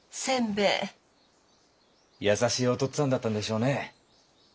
優しいお父っつぁんだったんでしょうね。